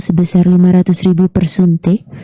sebesar rp lima ratus per suntik